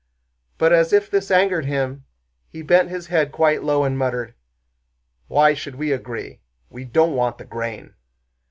But as if this angered him, he bent his head quite low and muttered: "Why should we agree? We don't want the grain."